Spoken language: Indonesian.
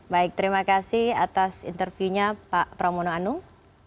baik terima kasih atas interviewnya pak pramono anung